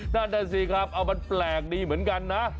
นั่นน่ะสิครับเอามันแปลกดีเหมือนกันนะ